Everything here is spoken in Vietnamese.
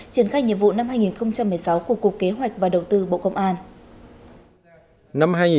triển khai nhiệm vụ năm hai nghìn một mươi sáu của cục kế hoạch và đầu tư bộ công an